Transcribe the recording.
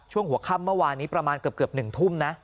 ช่วงหัวค่ำเมื่อวานนี้ประมาณเกือบ๑ทุ่มนะ